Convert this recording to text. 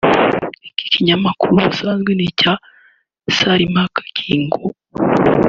Iki kinyamakuru ubusanzwe ni icya Sarah Kagingo